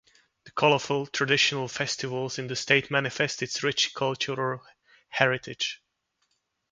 The colourful traditional festivals in the state manifest its rich cultural heritage.